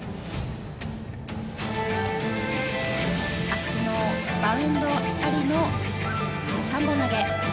足のバウンドありの３本投げ。